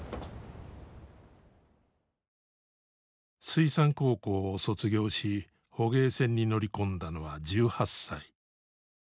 水産高校を卒業し捕鯨船に乗り込んだのは１８歳。